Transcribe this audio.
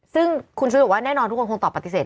ซึ่งคุณชุวิตบอกว่าแน่นอนทุกคนคงตอบปฏิเสธ